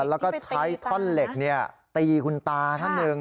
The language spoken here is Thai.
แล้วก็ใช้ท่อนเหล็กตีคุณตาท่านหนึ่ง